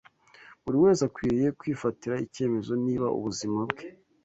Buri wese akwiriye kwifatira icyemezo niba ubuzima bwe